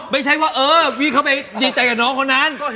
ไม่ใช่ว่าเออพี่เข้าไปดีใจกับน้องคนนั้น